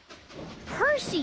パーシー。